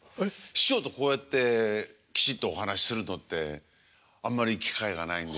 師匠とこうやってきちっとお話しするのってあんまり機会がないんで。